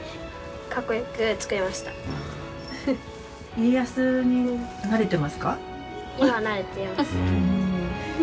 家康になれてますか？